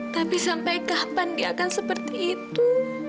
tapi sampai kapan diaakan seperti itu